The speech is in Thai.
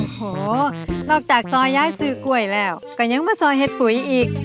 โหนอกจากซอยย้ายซื้อกล้วยแล้วก็ยังมาซอยเห็ดฝุยอีก